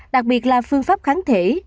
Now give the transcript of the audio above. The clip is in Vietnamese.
đặc biệt là phương pháp kháng thể